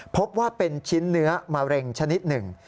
พบว่าเป็นชิ้นเนื้อมะเร็งชนิดหนึ่ง